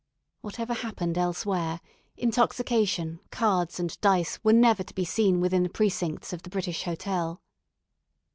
Whatever happened elsewhere, intoxication, cards, and dice were never to be seen, within the precincts of the British Hotel.